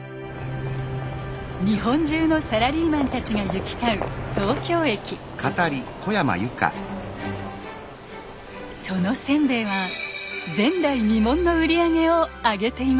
日本中のサラリーマンたちが行き交うそのせんべいは前代未聞の売り上げをあげていました。